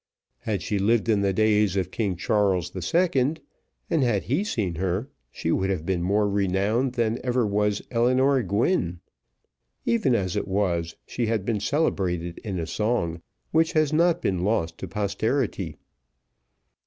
Had she lived in the days of King Charles II., and had he seen her, she would have been more renowned than ever was Eleanor Gwynne; even as it was, she had been celebrated in a song, which has not been lost to posterity.